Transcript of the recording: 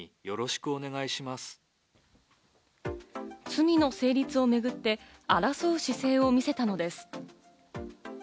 罪の成立をめぐって争う姿勢を見せたのです。